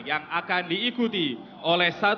yang akan diikuti oleh